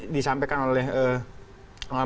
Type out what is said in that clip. disampaikan oleh mas raifli